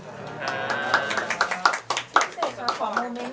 น้องสังเห็นกันเอง